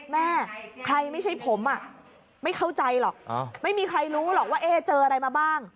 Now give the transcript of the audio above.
แม่ใครไม่ใช่ผมไม่เข้าใจหรอกไม่มีใครรู้หรอกว่าเอ๊เจออะไรมาบ้าง